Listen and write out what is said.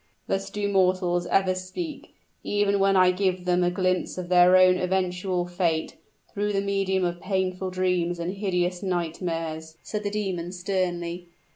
"Thus do mortals ever speak, even when I give them a glimpse of their own eventual fate, through the medium of painful dreams and hideous nightmares," said the demon, sternly.